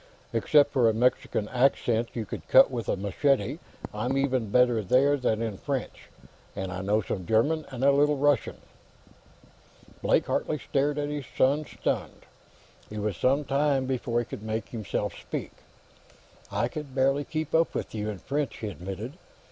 "Except for a Mexican accent you could cut with a machete, I'm even better there than in French. And I know some German, and a little Russian." Blake Hartley was staring at his son, stunned. It was some time before he could make himself speak. "I could barely keep up with you, in French," he admitted.